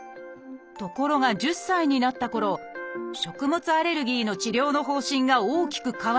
ところが１０歳になったころ食物アレルギーの治療の方針が大きく変わりました。